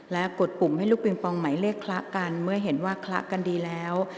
และกดปุ่มให้ลูกปิงปองหมายเลขคละกันเมื่อเห็นว่าคละกันดีแล้ว